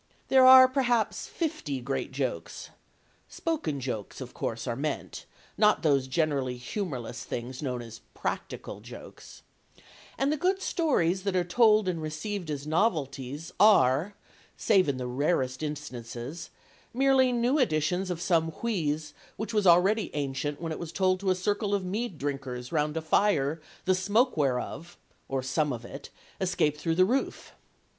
There are perhaps fifty great jokes spoken jokes, of course, are meant, not those generally humourless things known as "practical jokes" and the good stories that are told and received as novelties are, save in the rarest instances, merely new editions of some wheeze which was already ancient when it was told to a circle of mead drinkers round a fire the smoke whereof or some of it escaped through the roof.